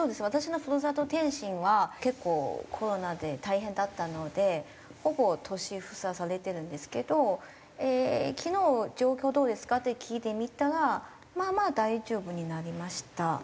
私の故郷天津は結構コロナで大変だったのでほぼ都市封鎖されてるんですけど昨日「状況どうですか？」って聞いてみたら「まあまあ大丈夫になりました」。